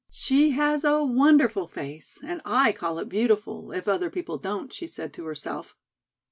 "She has a wonderful face, and I call it beautiful, if other people don't," she said to herself.